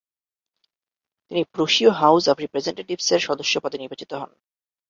তিনি প্রুশীয় house of রিপ্রেজেন্টেটিভসের সদস্যপদে নির্বাচিত হন।